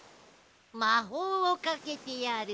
まほうをかけてやる。